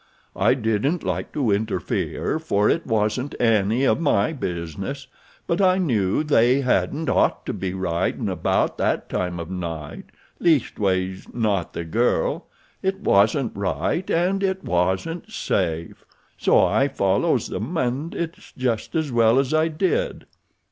I didn't like to interfere for it wasn't any of my business, but I knew they hadn't ought to be ridin' about that time of night, leastways not the girl—it wasn't right and it wasn't safe. So I follows them and it's just as well I did.